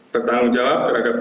tertanggung jawab terhadap dokumen